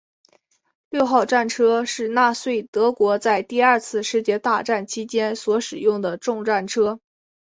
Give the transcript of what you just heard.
六号战车是纳粹德国在第二次世界大战期间所使用的重战车。